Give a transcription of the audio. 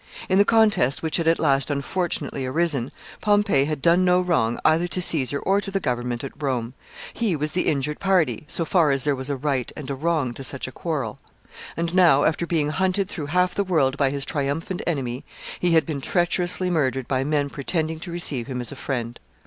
In the contest which had at last unfortunately arisen, Pompey had done no wrong either to Caesar or to the government at Rome. He was the injured party, so far as there was a right and a wrong to such a quarrel. And now, after being hunted through half the world by his triumphant enemy, he had been treacherously murdered by men pretending to receive him as a friend.